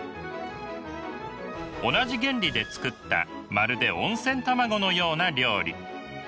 同じ原理で作ったまるで温泉卵のような料理。